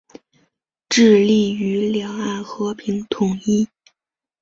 致力于两岸和平统一。